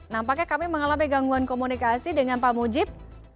nampaknya kami mengalami gangguan komunikasi dengan pak mujib